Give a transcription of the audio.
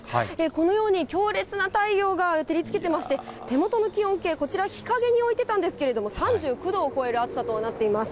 このように、強烈な太陽が照りつけてまして、手元の気温計、こちら日陰に置いてたんですけれども、３９度を超える暑さとなっています。